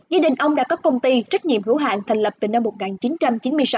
gia đình ông đã có công ty trách nhiệm hữu hạng thành lập từ năm một nghìn chín trăm chín mươi sáu